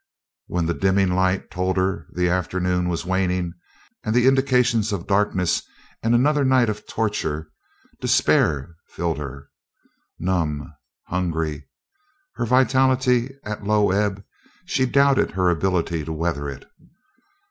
When the dimming light told her the afternoon was waning, and then indications of darkness and another night of torture, despair filled her. Numb, hungry, her vitality at low ebb, she doubted her ability to weather it.